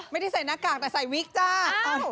ไม่ได้ใส่หน้ากากแต่ใส่วิกจ้า